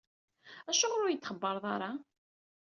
Acuɣer ur iyi-d-txebbreḍ ara?